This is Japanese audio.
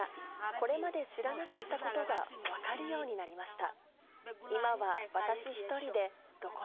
これまで知らなかったことが、分かるようになりました。